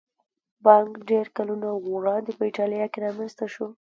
بانک ډېر کلونه وړاندې په ایټالیا کې رامنځته شو